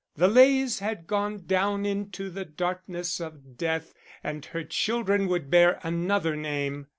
The Leys had gone down into the darkness of death, and her children would bear another name.